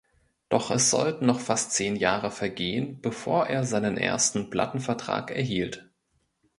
Doch es sollten noch fast zehn Jahre vergehen, bevor er seinen ersten Plattenvertrag erhielt.